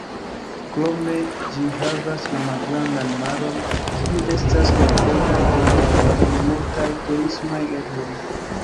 Krome ĝi havas la Malgrandan Maron, kiu estas marborda lageto kun multaj turismaj ebloj.